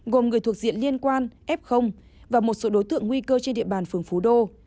gồm người thuộc diện liên quan f và một số đối tượng nguy cơ trên địa bàn phường phú đô